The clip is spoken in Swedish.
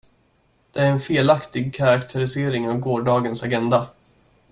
Det är en felaktig karaktärisering av gårdens agenda.